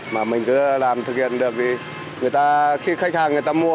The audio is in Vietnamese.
mà mình cứ làm thực hiện được thì người ta khi khách hàng người ta mua